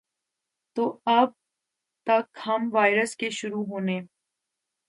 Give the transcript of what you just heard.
تو اب تک ہم وائرس کے شروع ہونے